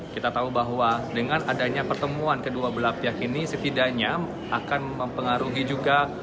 kita tahu bahwa dengan adanya pertemuan kedua belah pihak ini setidaknya akan mempengaruhi juga